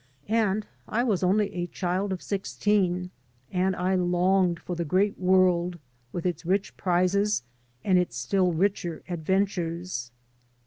And I was only a child of sixteen, and I longed for the great world with its rich prizes and its still richer adventures.